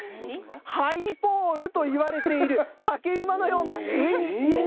ハイポールといわれている、竹馬のような、上に。